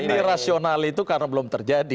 ini rasional itu karena belum terjadi